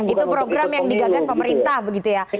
itu program yang digagas pemerintah begitu ya